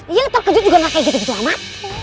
iya terkejut juga gak kayak gitu gitu amat